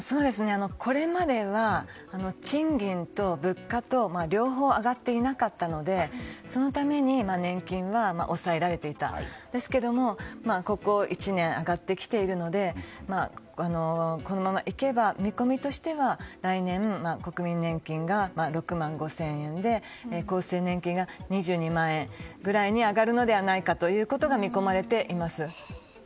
これまでは賃金と物価と両方上がっていなかったのでそのために、年金は抑えられていたんですけどもここ１年、上がってきているのでこのままいけば見込みとしては来年国民年金が６万５０００円で厚生年金が２２万円ぐらいに上がるのではないかと見込まれています。